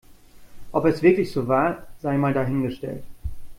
Ob es wirklich so war, sei mal dahingestellt.